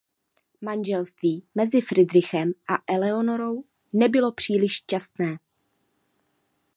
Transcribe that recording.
Manželství mezi Fridrichem a Eleonorou nebylo příliš šťastné.